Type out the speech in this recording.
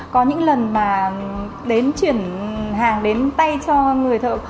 có những lần mà đến chuyển hàng đến tay cho người thợ